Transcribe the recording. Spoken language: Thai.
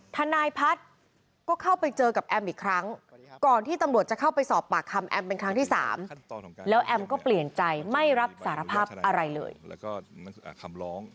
ทนายพัฒน์ก็เข้าไปเจอกับแอมป์อีกครั้ง